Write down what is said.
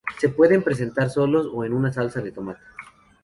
Se pueden presentar solos o en una salsa de tomate.